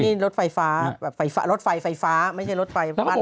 นี่รถไฟฟ้ารถไฟไฟฟ้าไม่ใช่รถไฟฟ้านอง